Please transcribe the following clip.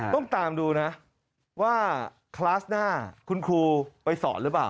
ต้องตามดูนะว่าคลาสหน้าคุณครูไปสอนหรือเปล่า